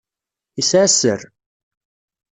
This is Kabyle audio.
Yesεa sser.